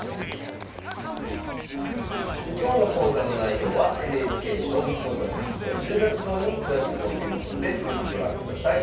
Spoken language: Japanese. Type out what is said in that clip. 今日の講座の内容はＮＨＫ「将棋講座」テキスト１０月号に詳しく載っていますので是非ご覧ください。